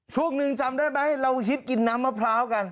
ช่วงหนึ่งจำได้ไหมเราฮิตกินน้ำมะพร้าวกัน